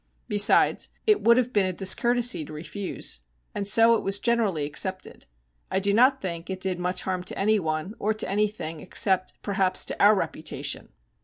Besides, it would have been a discourtesy to refuse. And so it was generally accepted. I do not think it did much harm to anyone, or to anything, except, perhaps, to our reputation.